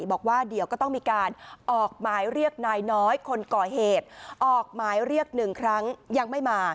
บอกว่าเดี๋ยวก็ต้องมีการออกหมายเรียกนายน้อยคนก่อเหตุออกหมายเรียกหนึ่งครั้งยังไม่มา